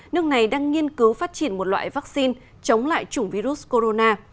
nước này đang nghiên cứu phát triển một loại vaccine chống lại chủng virus corona